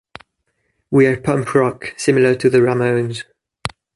We're punk rock, similar to the Ramones.